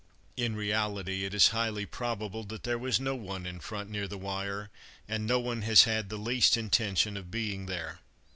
In reality it is highly probable that there was no one in front near the wire, and no one has had the least intention of being there.